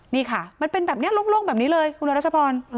นี่ค่ะมันเป็นแบบนี้โล่งแบบนี้เลยคุณรัชพร